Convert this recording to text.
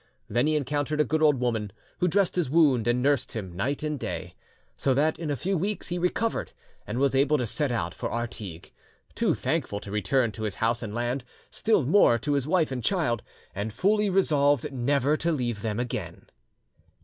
Then he encountered a good old woman, who dressed his wound and nursed him night and day. So that in a few weeks he recovered, and was able to set out for Artigues, too thankful to return to his house and land, still more to his wife and child, and fully resolved never to leave them again.